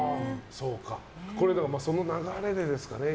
これ、その流れでですかね。